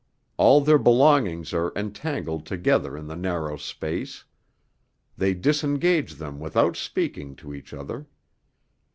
All their belongings are entangled together in the narrow space; they disengage them without speaking to each other.